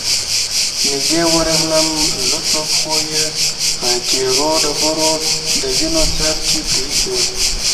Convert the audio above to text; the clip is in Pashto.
نږدې ورغلم، لوڅو پښو يې په تېرو ډبرو د وينو څاڅکې پرېښي ول،